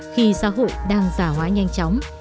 khi xã hội đang giả hóa nhanh chóng